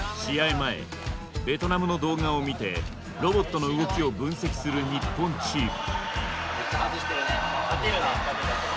前ベトナムの動画を見てロボットの動きを分析する日本チーム。